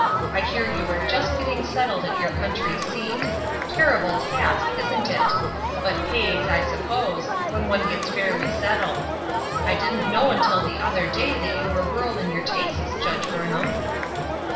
I hear you are just getting settled at 3'our country seat. Terrible task, isn't it? But pays, I suppose, when one gets fairly settled. I didn't know until the other day that you were rural in your tastes, Judge Burnham?"